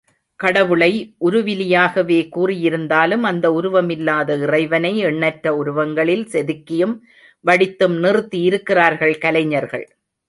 கடவுளை உருவிலியாகவே கூறியிருந்தாலும், அந்த உருவம் இல்லாத இறைவனை எண்ணற்ற உருவங்களில் செதுக்கியும், வடித்தும் நிறுத்தி இருக்கிறார்கள் கலைஞர்கள்.